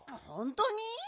ほんとに？